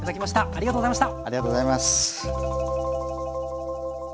ありがとうございます。